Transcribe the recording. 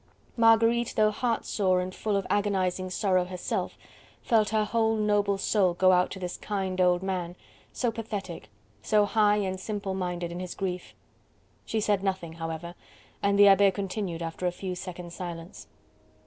Marguerite, though heartsore and full of agonizing sorrow herself, felt her whole noble soul go out to this kind old man, so pathetic, so high and simple minded in his grief. She said nothing, however, and the Abbe continued after a few seconds' silence.